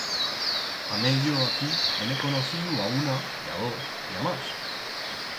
Tamé yo aquí en he conociu a una, y a dos, y a mas.